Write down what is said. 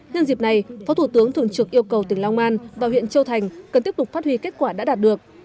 nhân dịp này phó thủ tướng thường trực yêu cầu tỉnh long an và huyện châu thành cần tiếp tục phát huy kết quả đã đạt được